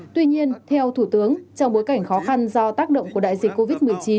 tuy nhiên theo thủ tướng trong bối cảnh khó khăn do tác động của đại dịch covid một mươi chín